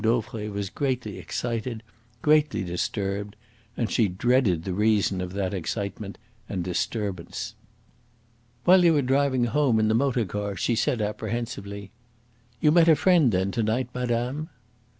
Dauvray was greatly excited greatly disturbed; and she dreaded the reason of that excitement and disturbance. While they were driving home in the motor car she said apprehensively: "You met a friend then, to night, madame?"